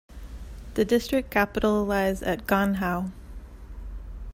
The district capital lies at Gành Hào.